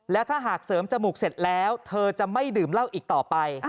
และถ้าหากเสริมจมูกเสร็จแล้วเธอจะไม่ดื่มเหล้าอีกต่อไป